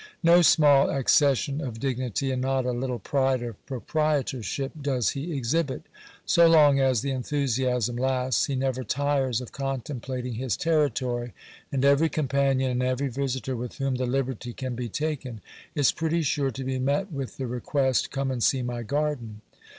No small accession of dignity, and not a little pride of proprietorship, does he exhibit. So long as the enthusiasm lasts, he never tires of contemplating his territory; and every companion, and every visitor with whom the liberty can be taken, is pretty sure to be met with the request —" Oome and see my garden."